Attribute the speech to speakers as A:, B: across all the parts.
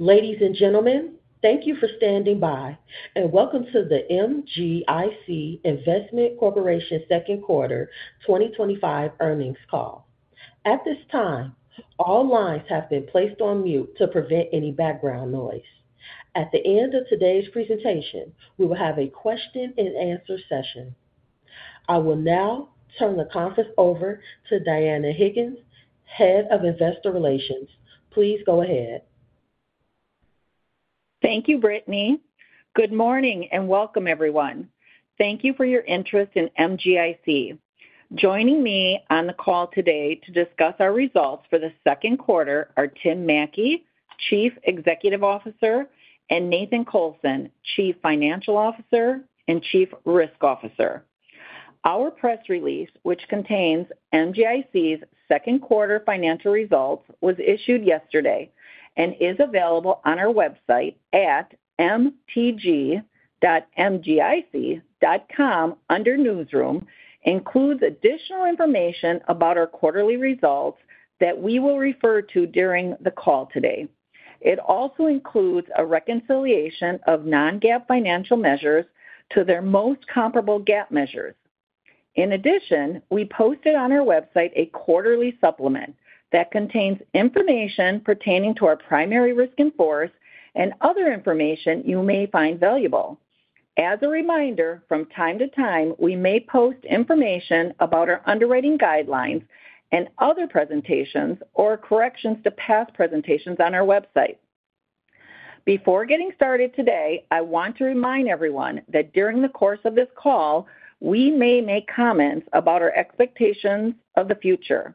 A: Ladies and gentlemen, thank you for standing by and welcome to the MGIC Investment Corporation Second Quarter 2025 earnings call. At this time, all lines have been placed on mute to prevent any background noise. At the end of today's presentation, we will have a question and answer session. I will now turn the conference over to Dianna Higgins, Head of Investor Relations. Please go ahead.
B: Thank you, Brittany. Good morning and welcome, everyone. Thank you for your interest in MGIC. Joining me on the call today to discuss our results for the second quarter are Tim Mattke, Chief Executive Officer, and Nathan Colson, Chief Financial Officer and Chief Risk Officer. Our press release, which contains MGIC's second quarter financial results, was issued yesterday and is available on our website at mtg.mgic.com under Newsroom. It includes additional information about our quarterly results that we will refer to during the call today. It also includes a reconciliation of non-GAAP financial measures to their most comparable GAAP measures. In addition, we posted on our website a quarterly supplement that contains information pertaining to our primary risk enforcers and other information you may find valuable. As a reminder, from time to time, we may post information about our underwriting guidelines and other presentations or corrections to past presentations on our website. Before getting started today, I want to remind everyone that during the course of this call, we may make comments about our expectations of the future.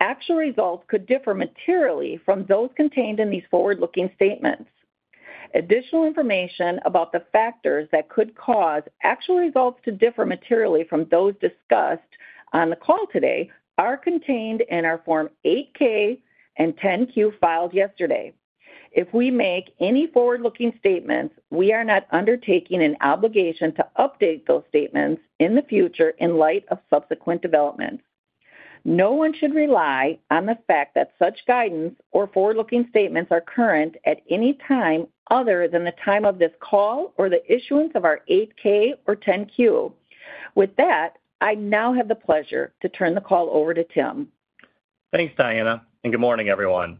B: Actual results could differ materially from those contained in these forward-looking statements. Additional information about the factors that could cause actual results to differ materially from those discussed on the call today are contained in our Form 8-K and 10-Q filed yesterday. If we make any forward-looking statements, we are not undertaking an obligation to update those statements in the future in light of subsequent developments. No one should rely on the fact that such guidance or forward-looking statements are current at any time other than the time of this call or the issuance of our 8-K or 10-Q. With that, I now have the pleasure to turn the call over to Tim.
C: Thanks, Dianna, and good morning, everyone.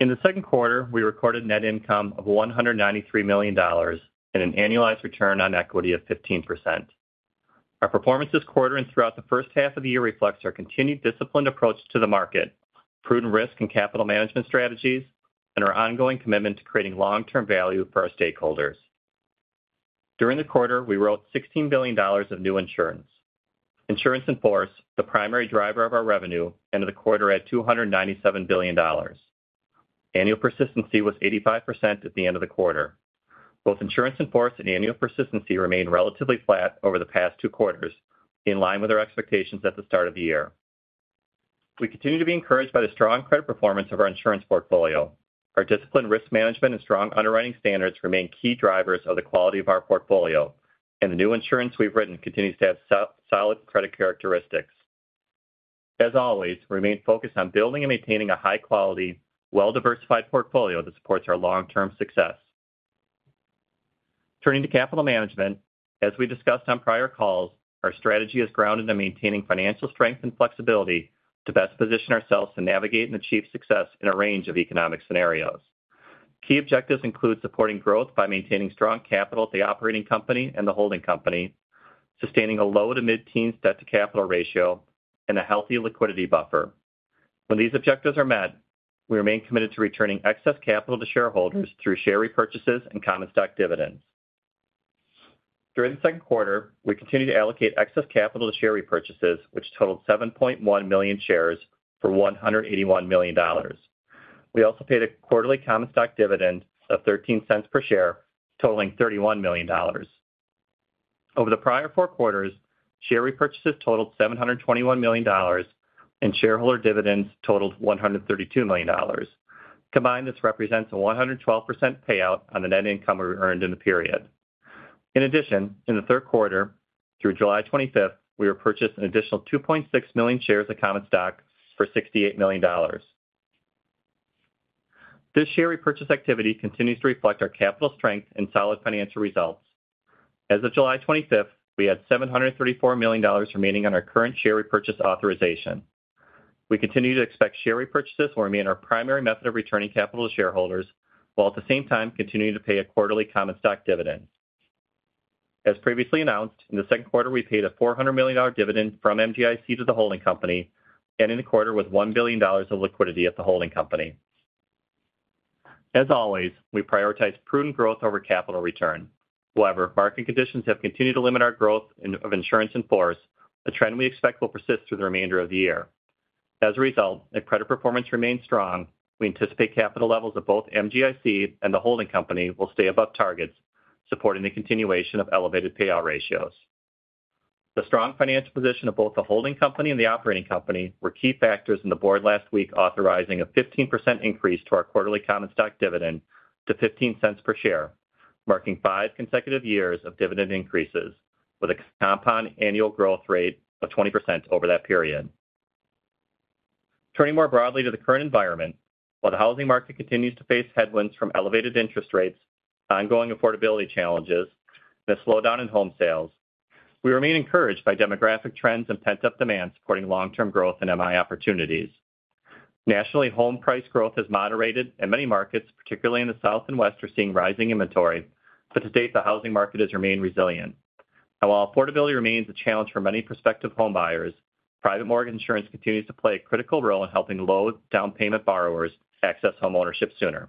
C: In the second quarter, we recorded net income of $193 million and an annualized return on equity of 15%. Our performance this quarter and throughout the first half of the year reflects our continued disciplined approach to the market, prudent risk and capital management strategies, and our ongoing commitment to creating long-term value for our stakeholders. During the quarter, we wrote $16 billion of new insurance. Insurance in force, the primary driver of our revenue, ended the quarter at $297 billion. Annual persistency was 85% at the end of the quarter. Both insurance in force and annual persistency remained relatively flat over the past two quarters, in line with our expectations at the start of the year. We continue to be encouraged by the strong credit performance of our insurance portfolio. Our disciplined risk management and strong underwriting standards remain key drivers of the quality of our portfolio, and the new insurance we've written continues to have solid credit characteristics. As always, we remain focused on building and maintaining a high-quality, well-diversified portfolio that supports our long-term success. Turning to capital management, as we discussed on prior calls, our strategy is grounded in maintaining financial strength and flexibility to best position ourselves to navigate and achieve success in a range of economic scenarios. Key objectives include supporting growth by maintaining strong capital at the operating company and the holding company, sustaining a low to mid-teens debt-to-capital ratio, and a healthy liquidity buffer. When these objectives are met, we remain committed to returning excess capital to shareholders through share repurchases and common stock dividends. During the second quarter, we continued to allocate excess capital to share repurchases, which totaled 7.1 million shares for $181 million. We also paid a quarterly common stock dividend of $0.13 per share, totaling $31 million. Over the prior four quarters, share repurchases totaled $721 million and shareholder dividends totaled $132 million. Combined, this represents a 112% payout on the net income we earned in the period. In addition, in the third quarter, through July 25, we repurchased an additional 2.6 million shares of common stock for $68 million. This share repurchase activity continues to reflect our capital strength and solid financial results. As of July 25, we had $734 million remaining on our current share repurchase authorization. We continue to expect share repurchases will remain our primary method of returning capital to shareholders, while at the same time continuing to pay a quarterly common stock dividend. As previously announced, in the second quarter, we paid a $400 million dividend from MGIC to the holding company, ending the quarter with $1 billion of liquidity at the holding company. As always, we prioritize prudent growth over capital return. However, market conditions have continued to limit our growth of insurance in force, a trend we expect will persist through the remainder of the year. As a result, the credit performance remains strong. We anticipate capital levels of both MGIC and the holding company will stay above targets, supporting the continuation of elevated payout ratios. The strong financial position of both the holding company and the operating company were key factors in the board last week authorizing a 15% increase to our quarterly common stock dividend to $0.15 per share, marking five consecutive years of dividend increases, with a compound annual growth rate of 20% over that period. Turning more broadly to the current environment, while the housing market continues to face headwinds from elevated interest rates, ongoing affordability challenges, and a slowdown in home sales, we remain encouraged by demographic trends and pent-up demand supporting long-term growth and MI opportunities. Nationally, home price growth has moderated, and many markets, particularly in the South and West, are seeing rising inventory. To date, the housing market has remained resilient. While affordability remains a challenge for many prospective home buyers, private mortgage insurance continues to play a critical role in helping low down payment borrowers access homeownership sooner.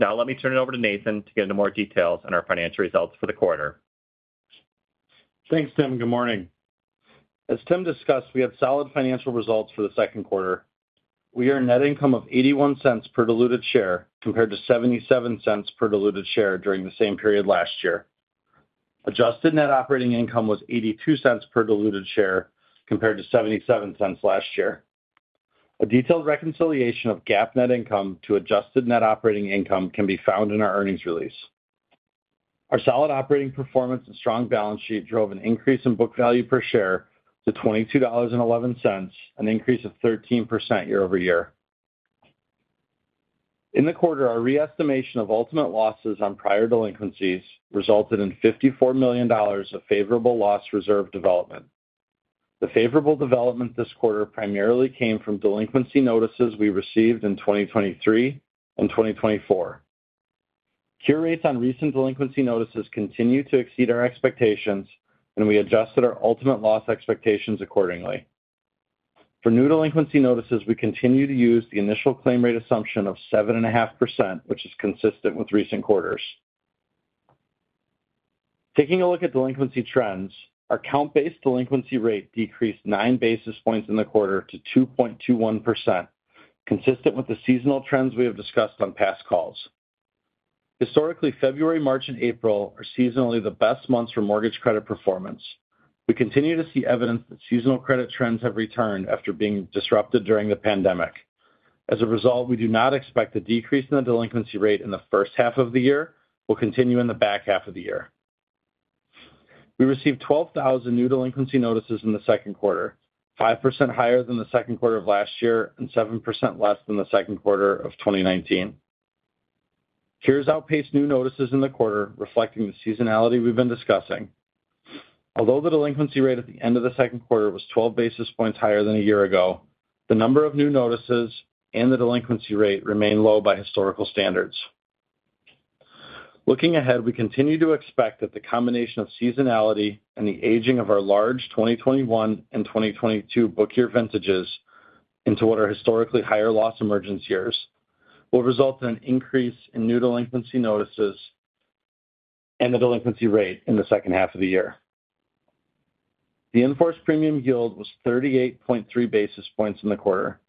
C: Now let me turn it over to Nathan to get into more details on our financial results for the quarter.
D: Thanks, Tim. Good morning. As Tim discussed, we have solid financial results for the second quarter. We are at net income of $0.81 per diluted share compared to $0.77 per diluted share during the same period last year. Adjusted net operating income was $0.82 per diluted share compared to $0.77 last year. A detailed reconciliation of GAAP net income to adjusted net operating income can be found in our earnings release. Our solid operating performance and strong balance sheet drove an increase in book value per share to $22.11, an increase of 13% year over year. In the quarter, our re-estimation of ultimate losses on prior delinquencies resulted in $54 million of favorable loss reserve development. The favorable development this quarter primarily came from delinquency notices we received in 2023 and 2024. Cure rates on recent delinquency notices continue to exceed our expectations, and we adjusted our ultimate loss expectations accordingly. For new delinquency notices, we continue to use the initial claim rate assumption of 7.5%, which is consistent with recent quarters. Taking a look at delinquency trends, our count-based delinquency rate decreased nine basis points in the quarter to 2.21%, consistent with the seasonal trends we have discussed on past calls. Historically, February, March, and April are seasonally the best months for mortgage credit performance. We continue to see evidence that seasonal credit trends have returned after being disrupted during the pandemic. As a result, we do not expect a decrease in the delinquency rate in the first half of the year. We'll continue in the back half of the year. We received 12,000 new delinquency notices in the second quarter, 5% higher than the second quarter of last year and 7% less than the second quarter of 2019. Cures outpace new notices in the quarter, reflecting the seasonality we've been discussing. Although the delinquency rate at the end of the second quarter was 12 basis points higher than a year ago, the number of new notices and the delinquency rate remain low by historical standards. Looking ahead, we continue to expect that the combination of seasonality and the aging of our large 2021 and 2022 book year vintages into what are historically higher loss emergence years will result in an increase in new delinquency notices and the delinquency rate in the second half of the year. The enforced premium yield was 38.3 basis points in the quarter,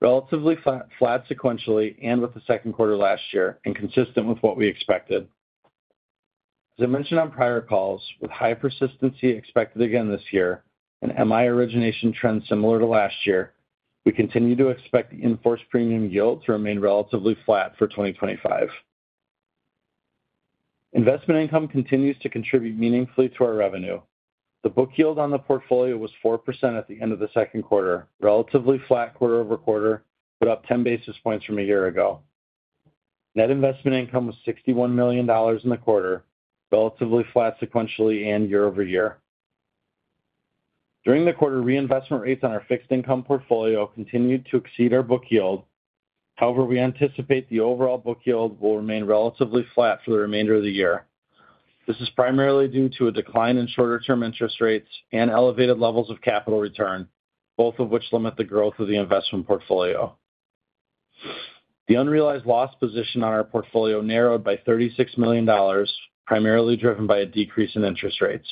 D: relatively flat sequentially and with the second quarter last year and consistent with what we expected. As I mentioned on prior calls, with high persistency expected again this year and MI origination trends similar to last year, we continue to expect the enforced premium yield to remain relatively flat for 2025. Investment income continues to contribute meaningfully to our revenue. The book yield on the portfolio was 4% at the end of the second quarter, relatively flat quarter over quarter, but up 10 basis points from a year ago. Net investment income was $61 million in the quarter, relatively flat sequentially and year over year. During the quarter, reinvestment rates on our fixed income portfolio continued to exceed our book yield. However, we anticipate the overall book yield will remain relatively flat for the remainder of the year. This is primarily due to a decline in shorter-term interest rates and elevated levels of capital return, both of which limit the growth of the investment portfolio. The unrealized loss position on our portfolio narrowed by $36 million, primarily driven by a decrease in interest rates.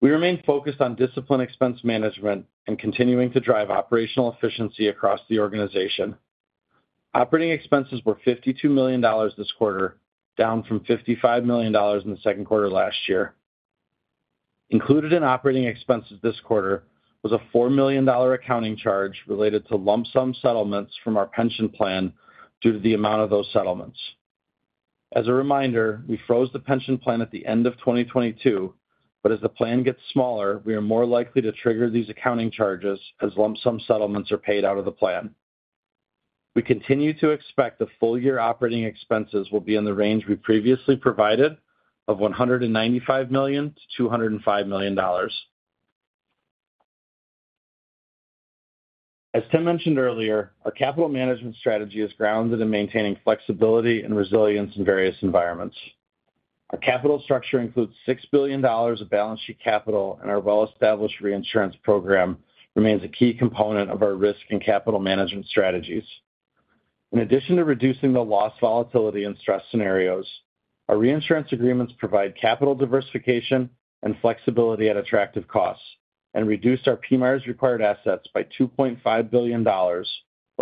D: We remain focused on disciplined expense management and continuing to drive operational efficiency across the organization. Operating expenses were $52 million this quarter, down from $55 million in the second quarter last year. Included in operating expenses this quarter was a $4 million accounting charge related to lump sum settlements from our pension plan due to the amount of those settlements. As a reminder, we froze the pension plan at the end of 2022. As the plan gets smaller, we are more likely to trigger these accounting charges as lump sum settlements are paid out of the plan. We continue to expect the full-year operating expenses will be in the range we previously provided of $195 million to $205 million. As Tim mentioned earlier, our capital management strategy is grounded in maintaining flexibility and resilience in various environments. Our capital structure includes $6 billion of balance sheet capital, and our well-established reinsurance program remains a key component of our risk and capital management strategies. In addition to reducing the loss volatility and stress scenarios, our reinsurance agreements provide capital diversification and flexibility at attractive costs and reduced our PMI's required assets by $2.5 billion, or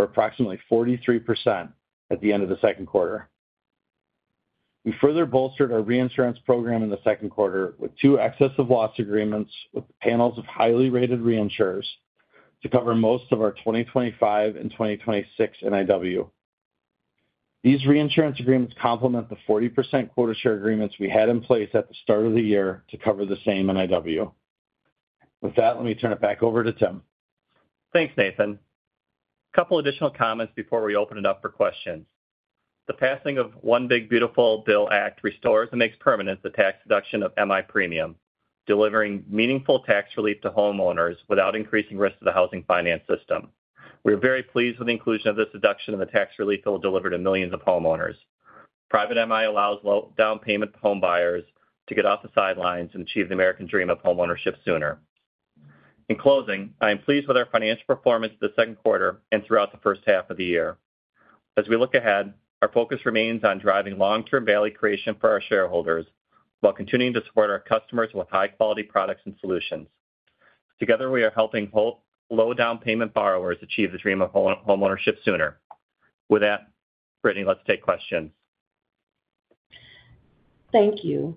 D: approximately 43% at the end of the second quarter. We further bolstered our reinsurance program in the second quarter with two excess of loss agreements with panels of highly rated reinsurers to cover most of our 2025 and 2026 NIW. These reinsurance agreements complement the 40% quota share arrangements we had in place at the start of the year to cover the same NIW. With that, let me turn it back over to Tim.
C: Thanks, Nathan. A couple of additional comments before we open it up for questions. The passing of the One Big Beautiful Bill Act restores and makes permanent the tax deduction of MI premium, delivering meaningful tax relief to homeowners without increasing risk to the housing finance system. We are very pleased with the inclusion of this deduction in the tax relief that will deliver to millions of homeowners. Private MI allows low down payment home buyers to get off the sidelines and achieve the American dream of homeownership sooner. In closing, I am pleased with our financial performance of the second quarter and throughout the first half of the year. As we look ahead, our focus remains on driving long-term value creation for our shareholders while continuing to support our customers with high-quality products and solutions. Together, we are helping low down payment borrowers achieve the dream of homeownership sooner. With that, Brittany, let's take questions.
A: Thank you.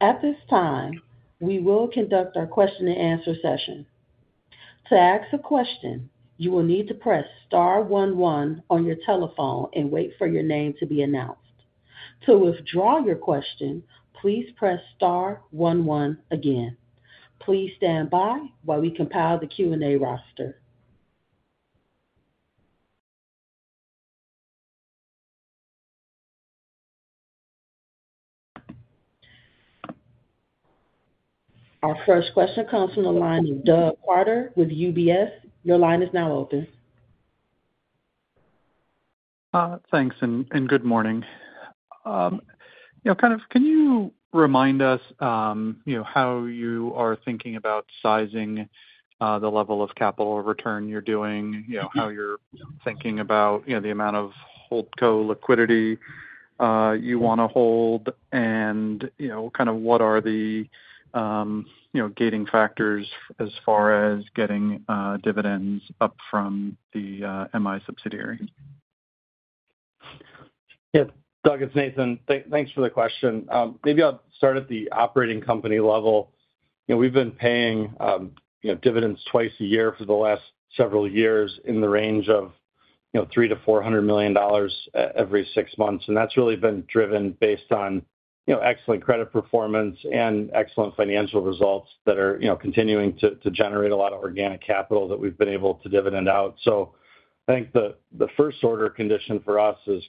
A: At this time, we will conduct our question and answer session. To ask a question, you will need to press star 11 on your telephone and wait for your name to be announced. To withdraw your question, please press star 11 again. Please stand by while we compile the Q&A roster. Our first question comes from the line of Doug Carter with UBS. Your line is now open.
E: Thanks, and good morning. Can you remind us how you are thinking about sizing the level of capital return you're doing, how you're thinking about the amount of hold co-liquidity you want to hold, and what are the gating factors as far as getting dividends up from the MI subsidiary?
D: Yes, Doug, it's Nathan. Thanks for the question. Maybe I'll start at the operating company level. We've been paying dividends twice a year for the last several years in the range of $300 to $400 million every six months. That's really been driven based on excellent credit performance and excellent financial results that are continuing to generate a lot of organic capital that we've been able to dividend out. I think the first order condition for us is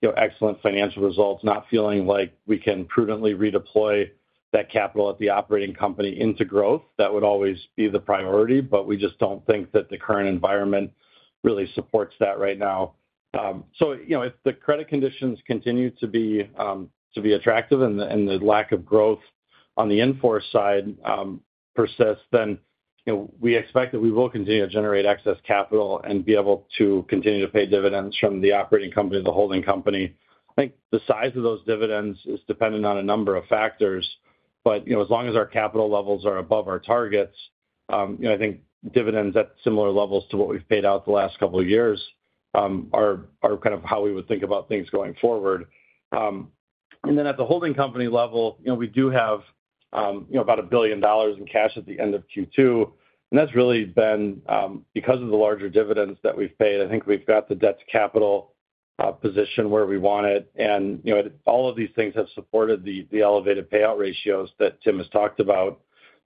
D: continued excellent financial results, not feeling like we can prudently redeploy that capital at the operating company into growth. That would always be the priority, but we just don't think that the current environment really supports that right now. If the credit conditions continue to be attractive and the lack of growth on the insurance in force side persists, then we expect that we will continue to generate excess capital and be able to continue to pay dividends from the operating company to the holding company. I think the size of those dividends is dependent on a number of factors. As long as our capital levels are above our targets, I think dividends at similar levels to what we've paid out the last couple of years are kind of how we would think about things going forward. At the holding company level, we do have about $1 billion in cash at the end of Q2. That's really been because of the larger dividends that we've paid. I think we've got the debt-to-capital position where we want it. All of these things have supported the elevated payout ratios that Tim has talked about,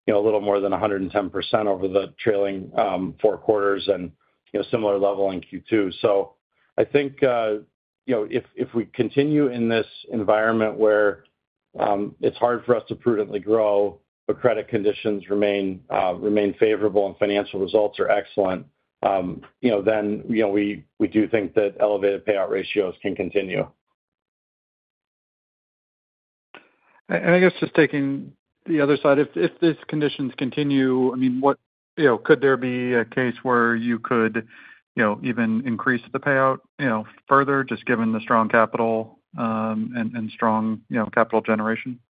D: a little more than 110% over the trailing four quarters and a similar level in Q2. If we continue in this environment where it's hard for us to prudently grow, but credit conditions remain favorable and financial results are excellent, then we do think that elevated payout ratios can continue.
E: I guess just taking the other side, if these conditions continue, what, you know, could there be a case where you could, you know, even increase the payout, you know, further, just given the strong capital and strong, you know, capital generation?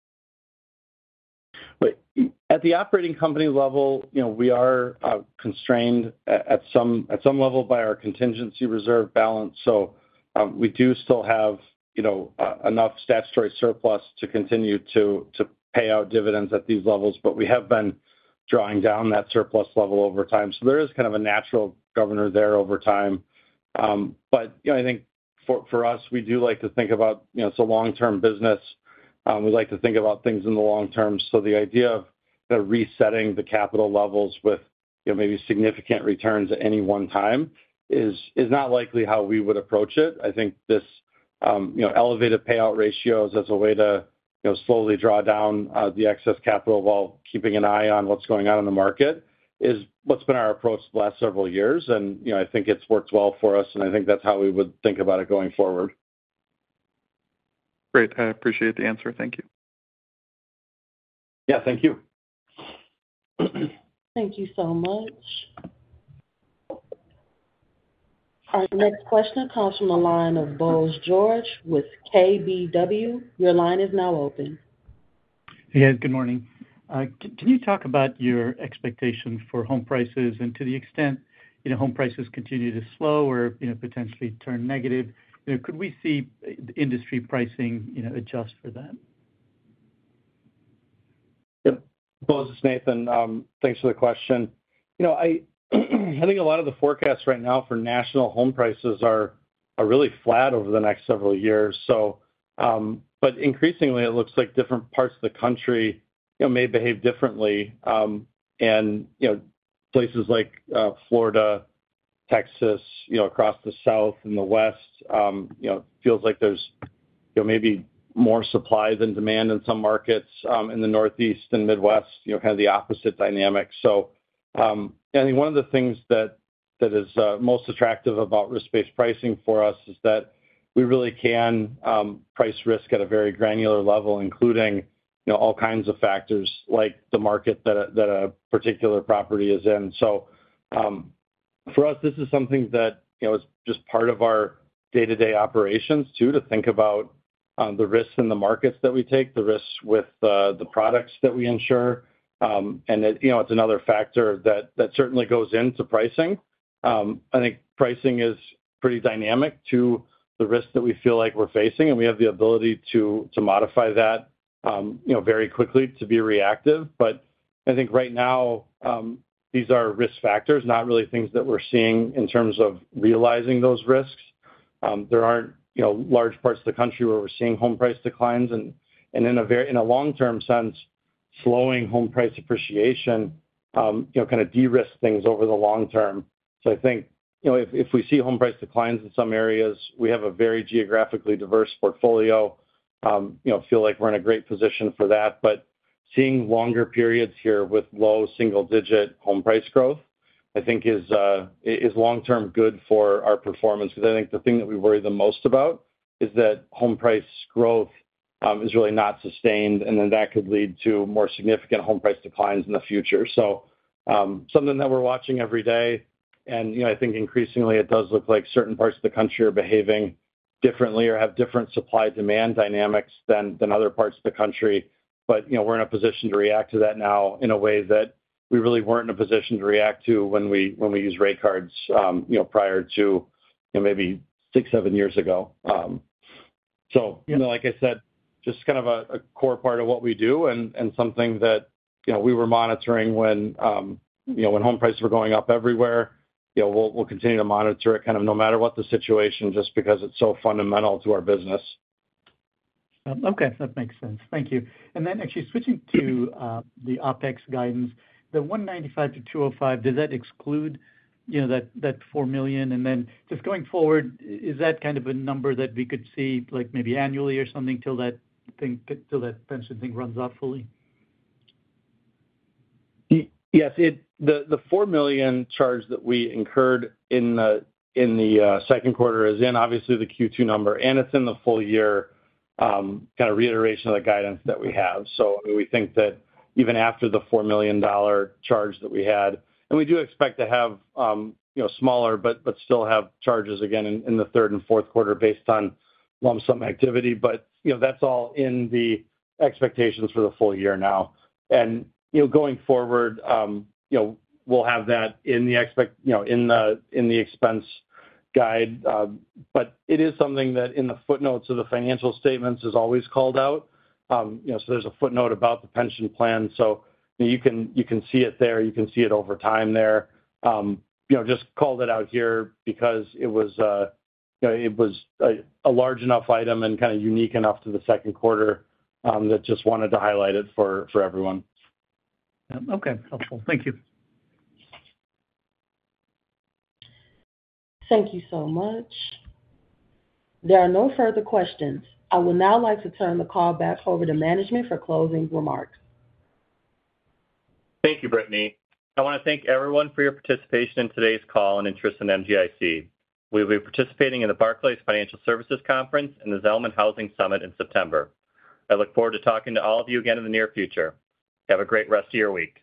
D: At the operating company level, we are constrained at some level by our contingency reserve balance. We do still have enough statutory surplus to continue to pay out dividends at these levels, but we have been drawing down that surplus level over time. There is kind of a natural governor there over time. I think for us, we do like to think about, you know, it's a long-term business. We like to think about things in the long term. The idea of kind of resetting the capital levels with maybe significant returns at any one time is not likely how we would approach it. I think this elevated payout ratios as a way to slowly draw down the excess capital while keeping an eye on what's going on in the market is what's been our approach the last several years. I think it's worked well for us, and I think that's how we would think about it going forward.
E: Great. I appreciate the answer. Thank you.
D: Thank you.
A: Thank you so much. All right, the next question comes from the line of Bose George with KBW. Your line is now open.
F: Hey, good morning. Can you talk about your expectations for home prices, and to the extent home prices continue to slow or potentially turn negative, could we see the industry pricing adjust for that?
D: Yep. Bose, this is Nathan. Thanks for the question. I think a lot of the forecasts right now for national home prices are really flat over the next several years. Increasingly, it looks like different parts of the country may behave differently. Places like Florida, Texas, across the South and the West, it feels like there's maybe more supply than demand in some markets. In the Northeast and Midwest, kind of the opposite dynamic. I think one of the things that is most attractive about risk-based pricing for us is that we really can price risk at a very granular level, including all kinds of factors like the market that a particular property is in. For us, this is something that is just part of our day-to-day operations too, to think about the risks in the markets that we take, the risks with the products that we insure. It's another factor that certainly goes into pricing. I think pricing is pretty dynamic to the risks that we feel like we're facing. We have the ability to modify that very quickly to be reactive. I think right now, these are risk factors, not really things that we're seeing in terms of realizing those risks. There aren't large parts of the country where we're seeing home price declines. In a long-term sense, slowing home price appreciation kind of de-risk things over the long term. I think if we see home price declines in some areas, we have a very geographically diverse portfolio, feel like we're in a great position for that. Seeing longer periods here with low single-digit home price growth, I think is long-term good for our performance. I think the thing that we worry the most about is that home price growth is really not sustained, and then that could lead to more significant home price declines in the future. Something that we're watching every day. I think increasingly, it does look like certain parts of the country are behaving differently or have different supply-demand dynamics than other parts of the country. We're in a position to react to that now in a way that we really weren't in a position to react to when we used rate cards, prior to maybe six, seven years ago. Like I said, just kind of a core part of what we do and something that we were monitoring when home prices were going up everywhere. We'll continue to monitor it kind of no matter what the situation, just because it's so fundamental to our business.
F: Okay, that makes sense. Thank you. Actually, switching to the OpEx guidance, the $195 to $205 million, does that exclude, you know, that $4 million? Just going forward, is that kind of a number that we could see maybe annually or something until that pension thing runs out fully?
D: Yes, the $4 million charge that we incurred in the second quarter is in obviously the Q2 number, and it's in the full year kind of reiteration of the guidance that we have. We think that even after the $4 million charge that we had, and we do expect to have, you know, smaller, but still have charges again in the third and fourth quarter based on lump sum activity. That's all in the expectations for the full year now. Going forward, we'll have that in the expense guide. It is something that in the footnotes of the financial statements is always called out. There's a footnote about the pension plan, so you can see it there. You can see it over time there. Just called it out here because it was a large enough item and kind of unique enough to the second quarter that just wanted to highlight it for everyone.
F: Okay, helpful. Thank you.
A: Thank you so much. There are no further questions. I would now like to turn the call back over to management for closing remarks.
C: Thank you, Brittany. I want to thank everyone for your participation in today's call and interest in MGIC. We will be participating in the Barclays Financial Services Conference and the Zelman Housing Summit in September. I look forward to talking to all of you again in the near future. Have a great rest of your week.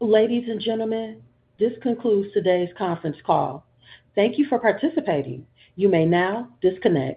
A: Ladies and gentlemen, this concludes today's conference call. Thank you for participating. You may now disconnect.